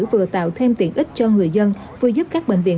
vừa tạo thêm tiện ích cho người dân vừa giúp các bệnh viện